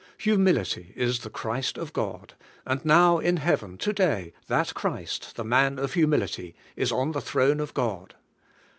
Humility is the Christ of God, and now in Heaven, to day, that Christ, the Man of humil ity, is on the throne of God.